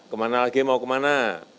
kemana lagi mau kemana